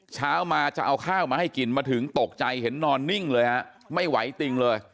เช้ามาจะเอาข้าวมาให้กินมาถึงตกใจเห็นนอนนิ่งเลยฮะไม่ไหวติงเลย